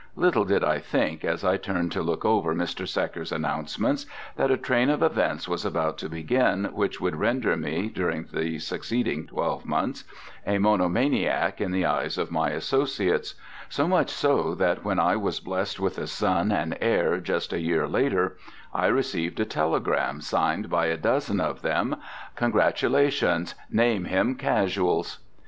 Little did I think, as I turned to look over Mr. Secker's announcements, that a train of events was about to begin which would render me, during the succeeding twelve months, a monomaniac in the eyes of my associates; so much so that when I was blessed with a son and heir just a year later I received a telegram signed by a dozen of them: "Congratulations. Name him Casuals!"